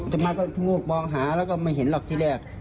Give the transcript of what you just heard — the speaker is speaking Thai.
จะมาก็ลูกมองหาแล้วก็ไม่เห็นหรอกที่แรก